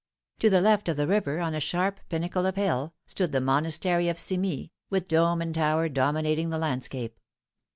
To the left of the river, on a sharp pinnacle of hill, stood the Monastery of Cimies, with dome and tower dominating the landscape.